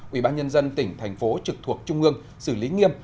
ubnd tỉnh thành phố trực thuộc trung ương xử lý nghiêm